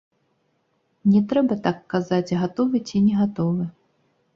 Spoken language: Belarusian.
Не трэба так казаць, гатовы ці не гатовы.